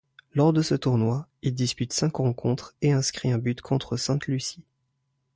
Lors de ce tournoi, il dispute cinq rencontres, et inscrit un but contre Sainte-Lucie.